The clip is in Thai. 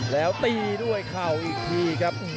แล้วตีด้วยเข่าอีกทีครับ